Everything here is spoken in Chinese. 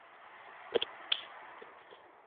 原声带中收录了剧中大部份的所有歌曲。